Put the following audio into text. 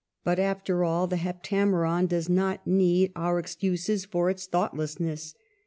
' But, after all, the *' Hep tameron " does not need our excuses for its thoughtlessness.